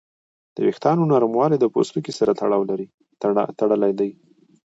د وېښتیانو نرموالی د پوستکي سره تړلی دی.